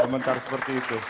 komentar seperti itu